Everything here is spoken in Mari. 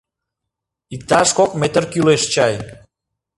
— Иктаж кок метр кӱлеш чай.